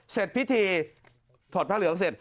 เสร็จพิธีถอดผ้าเหลืองเสร็จ